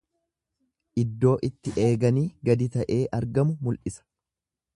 Iddoo itti eeganii gadi ta'ee argamu mul'isa.